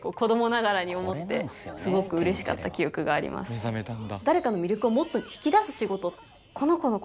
目覚めたんだ。